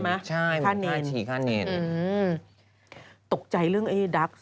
แมวตายไม่แยกมาก